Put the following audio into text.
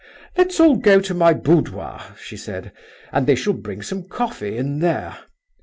"Let's all go to my boudoir," she said, "and they shall bring some coffee in there.